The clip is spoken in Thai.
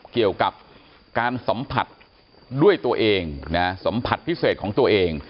เกี่ยวกับการสัมผัสด้วยตัวเองสัมผัสพิเศษของตัวเอง